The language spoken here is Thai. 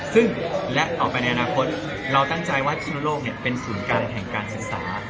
ซึ่งและต่อไปในอนาคตเราตั้งใจว่าพิศนุโลกเป็นศูนย์กลางแห่งการศึกษา